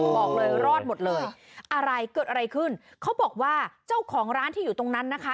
บอกเลยรอดหมดเลยอะไรเกิดอะไรขึ้นเขาบอกว่าเจ้าของร้านที่อยู่ตรงนั้นนะคะ